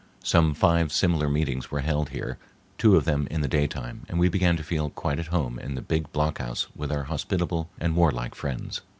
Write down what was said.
Some five similar meetings were held here, two of them in the daytime, and we began to feel quite at home in the big block house with our hospitable and warlike friends.